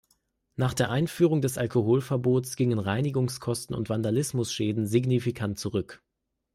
Nach der Einführung des Alkoholverbots gingen Reinigungskosten und Vandalismusschäden signifikant zurück.